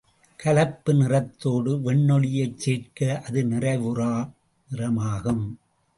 கலப்பு நிறத்தோடு வெண்ணொளியைச் சேர்க்க அது நிறைவுறா நிறமாகும்.